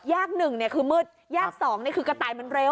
ยาก๒คือกระต่ายมันเร็ว